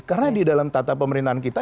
karena di dalam tata pemerintahan kita